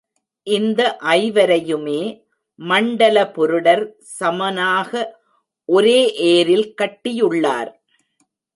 இந்த ஐவரையுமே மண்டல புருடர் சமனாக ஒரே ஏரில் கட்டியுள்ளார்.